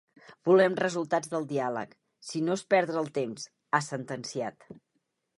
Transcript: Volem resultats del diàleg, si no és perdre el temps, ha sentenciat.